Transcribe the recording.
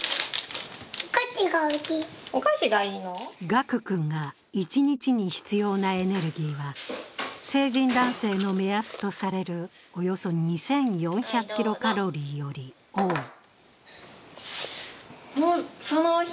賀久君が一日に必要なエネルギーは成人男性の目安とされるおよそ２４００ｋｃａｌより多い。